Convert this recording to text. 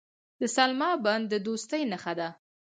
د سلما بند د دوستۍ نښه ده.